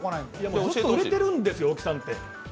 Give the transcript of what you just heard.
全然売れてるんですよ、大木さんって。